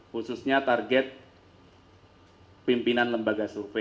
khususnya target pimpinan lembaga survei